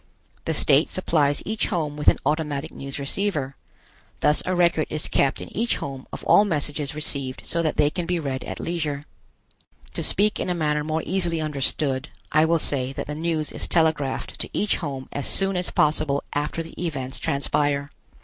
The state supplies each home with an automatic news receiver. Thus a record is kept in each home of all messages received so that they can be read at leisure. To speak in a manner more easily understood, I will say that the news is telegraphed to each home as soon as possible after the events transpire.